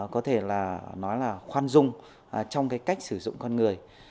có thể là nói là khoan dung trong cái cách sử dụng con người